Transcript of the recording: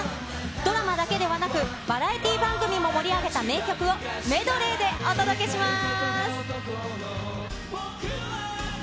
ドラマだけではなく、バラエティー番組も盛り上げた名曲を、メドレーでお届けします。